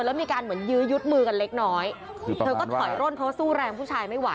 แล้วมีการเหมือนยื้อยุดมือกันเล็กน้อยเธอก็ถอยร่นเพราะว่าสู้แรงผู้ชายไม่ไห